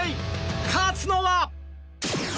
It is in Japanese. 勝つのは。